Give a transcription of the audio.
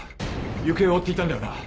行方を追っていたんだよな？